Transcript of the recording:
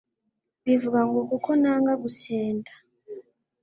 bivuga ngo 'kuko nanga gusenda